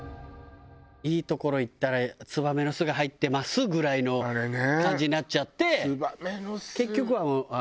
いい所行ったらツバメの巣が入ってますぐらいの感じになっちゃって結局は。